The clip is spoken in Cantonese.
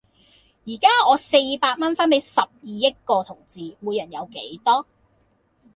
依家我四百蚊分俾十二億個同志，每人有幾多?